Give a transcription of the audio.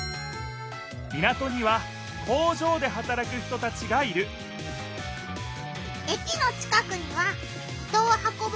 港には工場ではたらく人たちがいるえきの近くには人をはこぶ